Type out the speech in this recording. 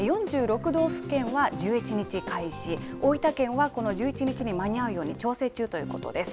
４６道府県は１１日開始、大分県はこの１１日に間に合うように調整中ということです。